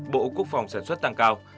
bộ quốc phòng sản xuất tăng cao